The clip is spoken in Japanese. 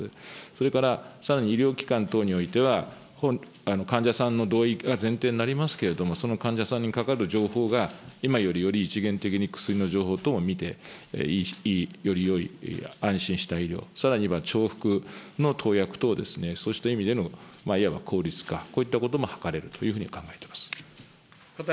それから、さらに医療機関等においては、患者さんの同意が前提になりますけれども、その患者さんにかかる情報が今よりより一元的に薬の情報等も見て、よりよい安心した医療、さらには重複の投薬等、そうした意味でのいわば効率化、こういったことも図れるというふうに考えています。